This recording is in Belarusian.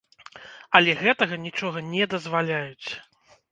Але гэтага нічога не дазваляюць!